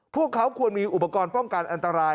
พวกเขาควรมีอุปกรณ์ป้องกันอันตราย